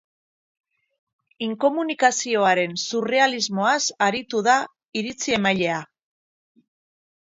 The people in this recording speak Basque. Inkomunikazioaren surrealismoaz aritu da iritzi-emailea.